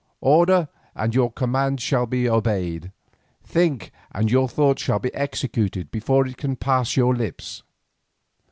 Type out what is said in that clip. Order and your commands shall be obeyed, think and your thought shall be executed before it can pass your lips.